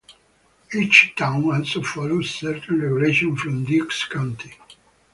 Each town also follows certain regulations from Dukes County.